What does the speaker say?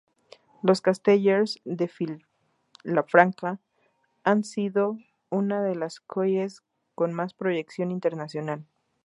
Los Castellers de Vilafranca han sido una de las colles con más proyección internacional.